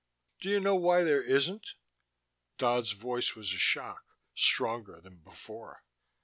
"Do you know why there isn't?" Dodd's voice was a shock, stronger than before.